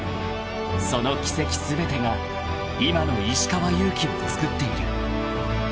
［その軌跡全てが今の石川祐希をつくっている］